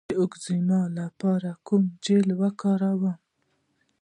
د اکزیما لپاره کوم جیل وکاروم؟